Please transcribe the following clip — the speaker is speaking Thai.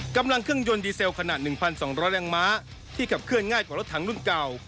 กำลังเครื่องยนต์ดีเซลขนาด๑๒๐๐แรงม้าที่ขับเคลื่อนง่ายกว่ารถถังรุ่นเก่า